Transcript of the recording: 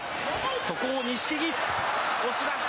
そこを錦木、押し出し。